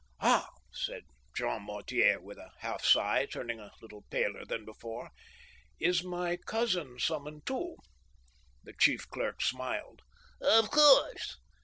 " Ah !" said Jean Mortier, with a half sigh, turning a little paler than before, " is my cousin summoned, too ?" The chief clerk smiled. " Of course.